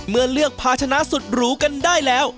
เมื่อเลือกภาชนะสุดหรูกันได้แล้ว